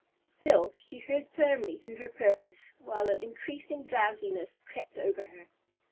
Still, she held firmly to her purpose, while an increasing drowsiness crept over her.